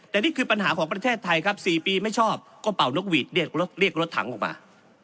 แต่นี่คือปัญหาของประเทศไทยครับ๔ปีไม่ชอบก็เป่านกหวีดเรียกรถถังออกมา